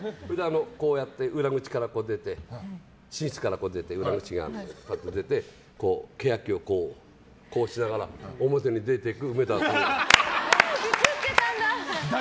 こうやって、裏口から出て寝室から出て裏口があってケヤキをこうしながら表に出て行く映ってたんだ！